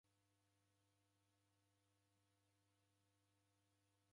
Ngelo raw'ezidi kusoghoda.